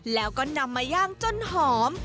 แล้วก็นำมาย่างจนหอม